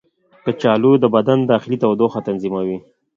کچالو د بدن داخلي تودوخه تنظیموي.